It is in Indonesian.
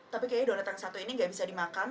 tapi kayaknya donat yang satu ini gak bisa dimakan